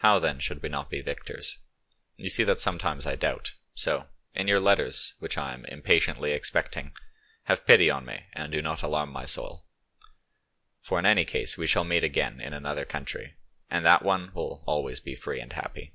How then should we not be victors? You see that sometimes I doubt, so, in your letters, which I am impatiently expecting, have pity on me and do not alarm my soul, far in any case we shall meet again in another country, and that one will always be free and happy.